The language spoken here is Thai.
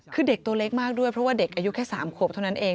คือเด็กตัวเล็กมากด้วยเพราะว่าเด็กอายุแค่๓ขวบเท่านั้นเอง